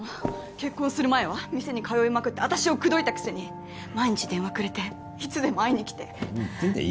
結婚する前は店に通いまくって私を口説いたくせに毎日電話くれていつでも会いに来て何言ってんだよ